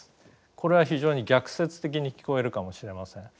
これは非常に逆説的に聞こえるかもしれません。